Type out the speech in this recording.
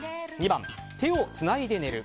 ２番、手をつないで寝る。